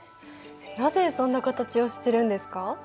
なぜそんな形をしてるんですか？